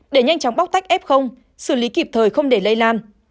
để nhanh chóng bóc tách f xử lý kịp thời không để lây lan